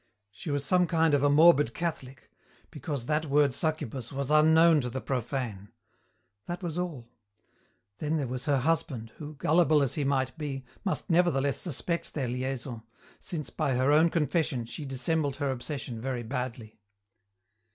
She was some kind of a morbid Catholic, because that word succubus was unknown to the profane. That was all. Then there was her husband, who, gullible as he might be, must nevertheless suspect their liaison, since, by her own confession, she dissembled her obsession very badly.